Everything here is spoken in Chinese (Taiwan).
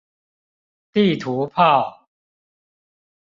地圖炮